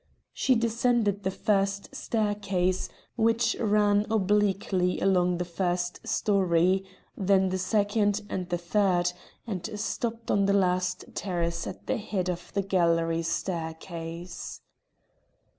She descended the first staircase, which ran obliquely along the first story, then the second, and the third, and stopped on the last terrace at the head of the galley staircase.